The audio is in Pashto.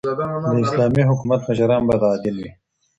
د اسلامي حکومت مشران بايد عادل وي.